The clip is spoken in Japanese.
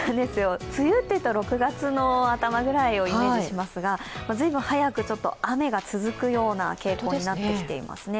梅雨というと６月の頭ぐらいをイメージしますがずいぶん早く雨が続くような傾向になってきてますね。